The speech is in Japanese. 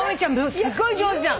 すごい上手じゃん。